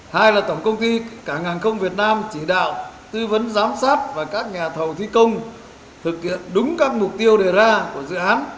hai là tổng công ty cảng hàng không việt nam chỉ đạo tư vấn giám sát và các nhà thầu thi công thực hiện đúng các mục tiêu đề ra của dự án